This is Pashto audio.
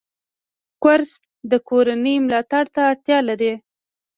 کورس د کورنۍ ملاتړ ته اړتیا لري.